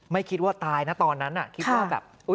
ไม่คิดว่าตายนะตอนนั้นน่ะ